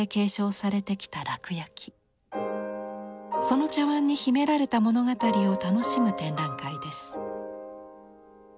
その茶碗に秘められたものがたりを楽しむ展覧会です。